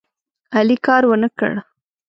علي کار ونه کړ.